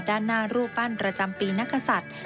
ด้านหน้ารูปปั้นประจำปีนักศัตริย์